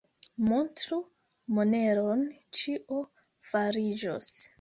Montru moneron, ĉio fariĝos.